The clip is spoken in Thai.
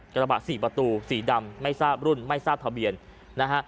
กระบะสี่ประตูสีดำไม่ทราบรุ่นไม่ทราบทะเบียนนะฮะ